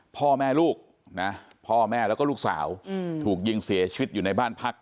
พ่อแม่ลูกนะพ่อแม่แล้วก็ลูกสาวถูกยิงเสียชีวิตอยู่ในบ้านพัก